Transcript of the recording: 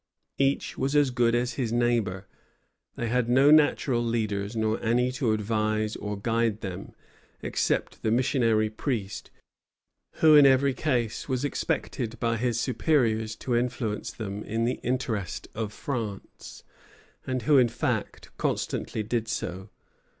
Each was as good as his neighbor; they had no natural leaders, nor any to advise or guide them, except the missionary priest, who in every case was expected by his superiors to influence them in the interest of France, and who, in fact, constantly did so.